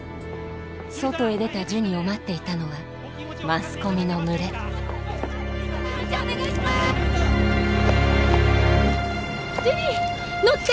外へ出たジュニを待っていたのはマスコミの群れジュニ乗って！